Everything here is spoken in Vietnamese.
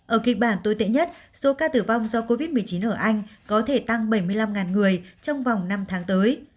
ở kịch bản tồi tệ nhất số ca tử vong do covid một mươi chín ở anh có thể tăng bảy mươi năm người trong vòng năm tháng tới